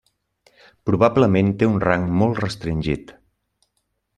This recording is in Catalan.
Probablement té un rang molt restringit.